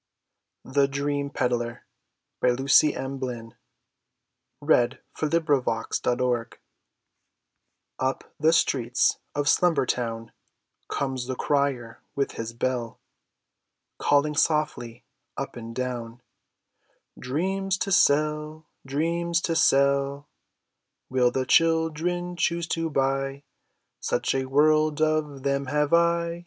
THE DREAM PEDLER. U P the streets of Slumber town Comes the crier with his bell ; Calling softly^ u]3 and down^ Dreams to sell ! Dreams to sell ! Will the children choose to buy ? Such a world of them have I.